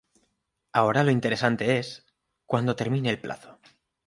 ahora lo interesante es, cuando termine el plazo.